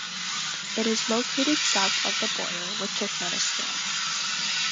It is located south of the border with Turkmenistan.